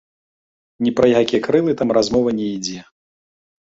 Ні пра якія крылы там размова не ідзе!